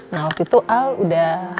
nah waktu itu al udah